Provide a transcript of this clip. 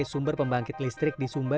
sumber pembangkit listrik di sumba